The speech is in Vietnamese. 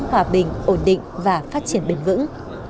hòa bình ổn định và phát triển bền vững